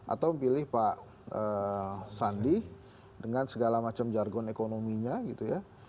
atau pilih pak sandi dengan segala macam jargon ekonominya gitu ya